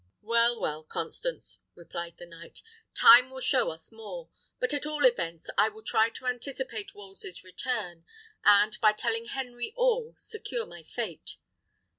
"Well, well, Constance," replied the knight, "time will show us more. But, at all events, I will try to anticipate Wolsey's return, and, by telling Henry all, secure my fate."